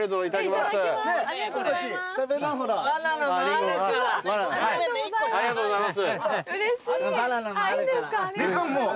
ありがとうございます。